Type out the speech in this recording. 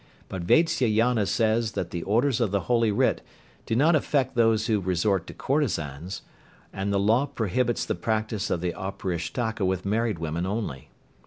But Vatsyayana says that the orders of the Holy Writ do not affect those who resort to courtezans, and the law prohibits the practice of the Auparishtaka with married women only.